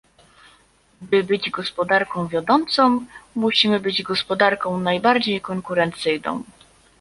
By być gospodarką wiodącą, musimy być gospodarką najbardziej konkurencyjną